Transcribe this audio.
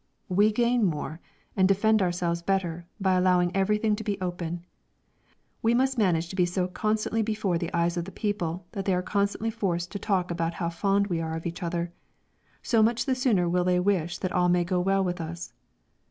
"We gain more and defend ourselves better by allowing everything to be open. We must manage to be so constantly before the eyes of people, that they are constantly forced to talk about how fond we are of each other; so much the sooner will they wish that all may go well with us.